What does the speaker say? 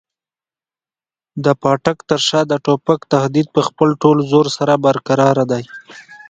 د پاټک تر شا د توپک تهدید په خپل ټول زور سره برقراره دی.